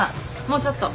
もうちょっと！